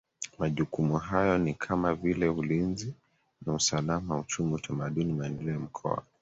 majukumu hayo ni kama vile Ulinzi na usalama uchumi utamaduni maendeleo ya Mkoa